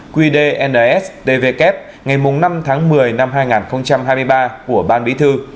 qdnstvk ngày năm tháng một mươi năm hai nghìn hai mươi ba của ban bí thư